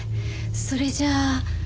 それじゃ。